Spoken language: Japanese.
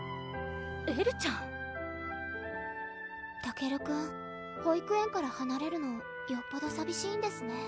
エルちゃんたけるくん保育園からはなれるのよっぽどさびしいんですね